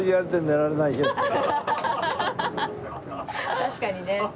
確かにね。